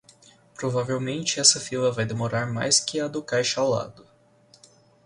Provavelmente essa fila vai demorar mais que a do caixa ao lado.